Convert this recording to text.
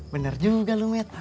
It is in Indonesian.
benar juga lumet